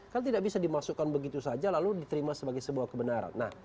kan tidak bisa dimasukkan begitu saja lalu diterima sebagai sebuah kebenaran